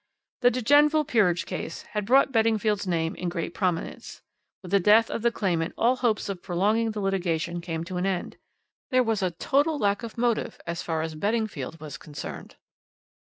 "The 'De Genneville peerage case' had brought Beddingfield's name in great prominence. With the death of the claimant all hopes of prolonging the litigation came to an end. There was a total lack of motive as far as Beddingfield was concerned."